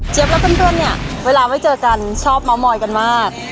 และเพื่อนเนี่ยเวลาไม่เจอกันชอบเมาส์มอยกันมาก